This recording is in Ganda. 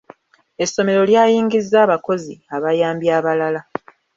Essomero lyayingizza abakozi abayambi abalala.